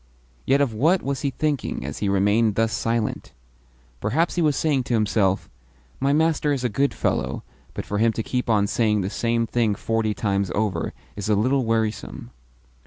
Yet of what was he thinking as he remained thus silent? Perhaps he was saying to himself: "My master is a good fellow, but for him to keep on saying the same thing forty times over is a little wearisome."